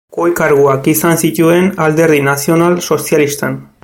Goi-karguak izan zituen Alderdi Nazional Sozialistan.